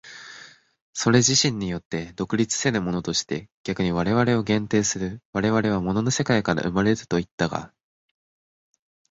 それ自身によって独立せるものとして逆に我々を限定する、我々は物の世界から生まれるといったが、